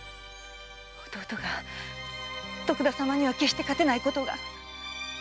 弟が徳田様には決して勝てないことが。